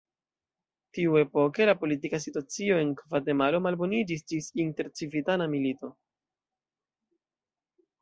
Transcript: Tiuepoke la politika situacio en Gvatemalo malboniĝis ĝis intercivitana milito.